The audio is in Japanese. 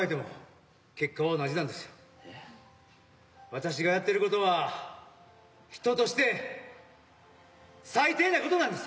私がやってることは人として最低なことなんです。